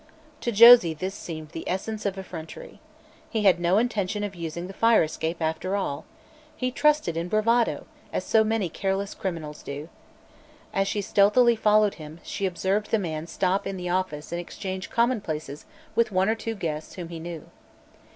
To Josie this seemed the essence of effrontery. He had no intention of using the fire escape, after all. He trusted in bravado, as so many careless criminals do. As she stealthily followed him, she observed the man stop in the office and exchange commonplaces with one or two guests whom he knew.